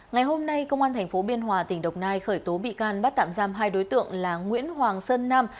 ngày hôm nay công an tp biên hòa tỉnh độc nai khởi tố bị can bắt tạm giam hai đối tượng là nguyễn hoàng sơn nam